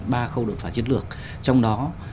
ba khâu đột phá chiến lược trong đó